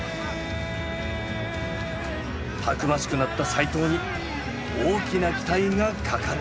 たくましくなった齋藤に大きな期待がかかる。